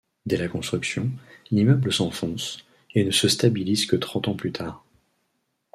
Dès la construction, l'immeuble s'enfonce, et ne se stabilise que trente ans plus tard.